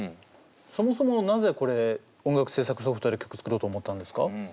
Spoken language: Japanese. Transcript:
そもそもなぜこれ音楽制作ソフトで曲作ろうと思ったんですか？